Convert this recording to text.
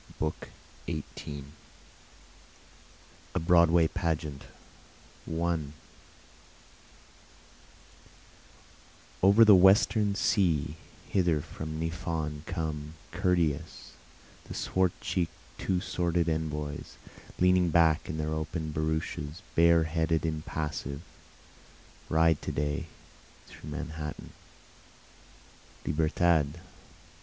BOOK XVIII A Broadway Pageant 1 Over the Western sea hither from Niphon come, Courteous, the swart cheek'd two sworded envoys, Leaning back in their open barouches, bare headed, impassive, Ride to day through Manhattan. Libertad!